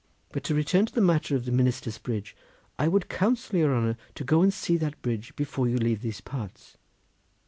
But to return to the matter of the Minister's Bridge: I would counsel your honour to go and see that bridge before you leave these parts.